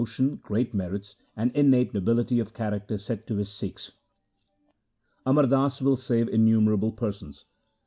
4o THE SIKH RELIGION great merits, and innate nobility of character, said to his Sikhs :' Amar Das will save innumerable persons.